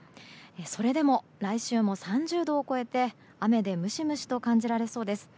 それでも来週も３０度を超えて雨でムシムシと感じられそうです。